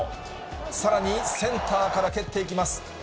さらに、センターから蹴っていきます。